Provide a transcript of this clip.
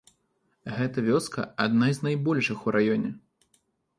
Гэта вёска адна з найбольшых у раёне.